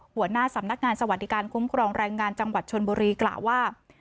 หัวหน้าสำนักงานสวัสดิการคุ้มครองแรงงานจังหวัดชนบุรีกล่าวว่า